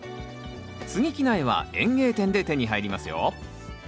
つぎ木苗は園芸店で手に入りますよ。